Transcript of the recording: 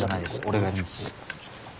俺がやります。